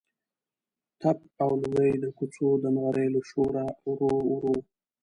تپ او لوګی د کوڅو د نغریو له شوره ورو ورو.